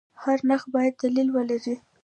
هر نرخ باید دلیل ولري.